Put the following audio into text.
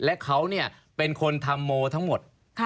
และเขาเป็นคนทำโมทั้งหมด